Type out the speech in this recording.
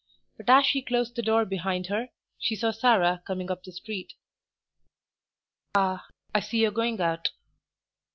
But as she closed the door behind her, she saw Sarah coming up the street. "Ah, I see you're going out."